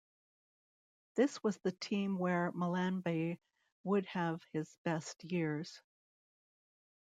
This was the team where Mellanby would have his best years.